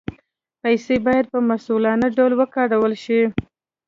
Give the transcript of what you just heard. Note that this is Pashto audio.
پیسې باید په مسؤلانه ډول وکارول شي.